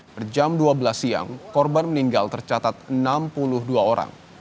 per jam dua belas siang korban meninggal tercatat enam puluh dua orang